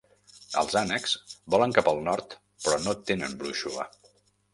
Els ànecs volen cap al nord però no tenen brúixola.